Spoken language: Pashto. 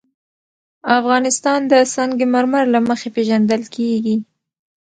افغانستان د سنگ مرمر له مخې پېژندل کېږي.